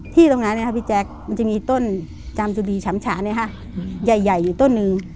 ที่ตรงนั้นนี่ครับมันจะมีต้นจามจุรีฉามฉะใหญ่ต้นหนึ่ง